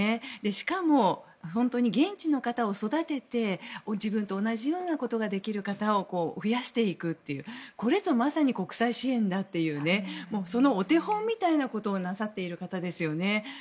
しかも、本当に現地の方を育てて自分と同じようなことができる方を増やしていくというこれぞまさに国際支援だというそのお手本みたいなことをなさっている方ですよね。